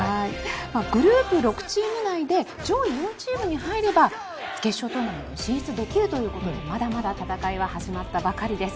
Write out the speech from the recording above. グループ６チーム内で上位４チームに入れば決勝トーナメントに進出できるということでまだまだ戦いは始まったばかりです。